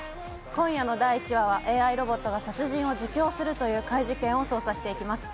今夜の第１話は、ＡＩロボットが殺人を自供するという怪事件を捜査していきます。